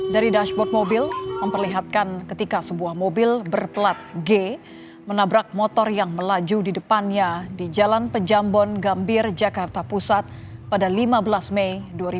dari dashboard mobil memperlihatkan ketika sebuah mobil berplat g menabrak motor yang melaju di depannya di jalan pejambon gambir jakarta pusat pada lima belas mei dua ribu dua puluh